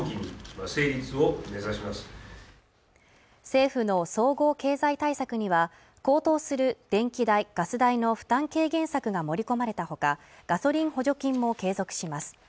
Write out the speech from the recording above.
政府の総合経済対策には高騰する電気代・ガス代の負担軽減策が盛り込まれたほかガソリン補助金も継続します